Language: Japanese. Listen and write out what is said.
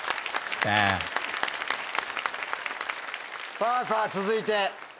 さぁさぁ続いて。